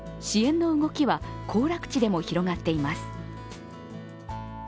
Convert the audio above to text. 支援の動きは行楽地でも広がっています。